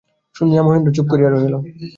শুনিয়া মহেন্দ্র চুপ করিয়া রহিল।